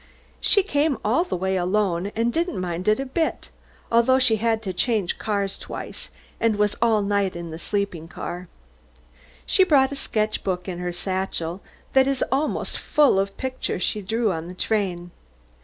She came all the way alone, and didn't mind it a bit, although she had to change cars twice, and was all night on the sleeping car. She brought a sketch book in her satchel that is almost full of pictures she drew on the train.